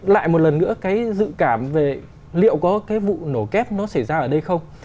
lại một lần nữa cái dự cảm về liệu có cái vụ nổ kép nó xảy ra ở đây không